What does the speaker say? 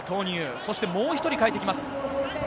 そしてもう１人変えてきます。